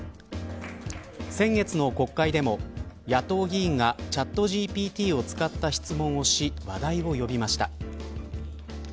先月の国会でも野党議員がチャットＧＰＴを使った質問をし話題を呼びました。